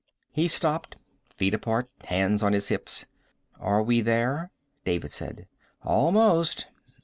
He stopped, feet apart, hands on his hips. "Are we there?" David said. "Almost."